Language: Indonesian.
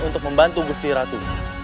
untuk membantu gusti ratu